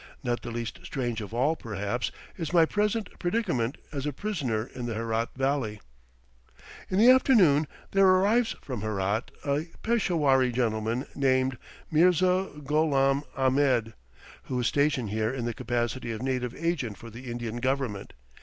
Not the least strange of all, perhaps, is my present predicament as a prisoner in the Herat Valley. In the afternoon there arrives from Herat a Peshawari gentleman named Mirza Gholam Ahmed, who is stationed here in the capacity of native agent for the Indian government.